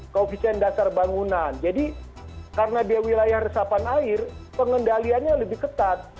koefisien dasar bangunan jadi karena dia wilayah resapan air pengendaliannya lebih ketat